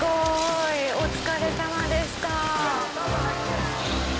お疲れさまでした。